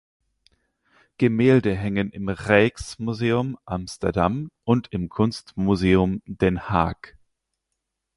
Gemälde hängen im Rijksmuseum Amsterdam und im Kunstmuseum Den Haag.